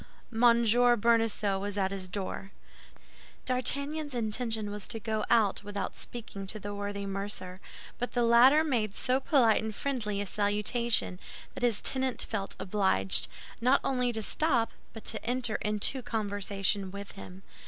M. Bonacieux was at his door. D'Artagnan's intention was to go out without speaking to the worthy mercer; but the latter made so polite and friendly a salutation that his tenant felt obliged, not only to stop, but to enter into conversation with him.